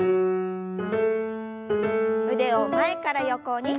腕を前から横に。